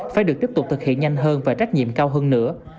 phải được tiếp tục thực hiện nhanh hơn và trách nhiệm cao hơn nữa